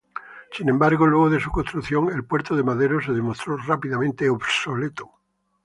Sin embargo, luego de su construcción, el puerto de Madero se demostró rápidamente obsoleto.